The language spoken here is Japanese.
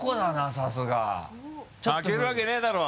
さすが。負けるわけないだろう。